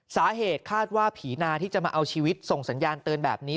สาเหตุคาดว่าผีนาที่จะมาเอาชีวิตส่งสัญญาณเตือนแบบนี้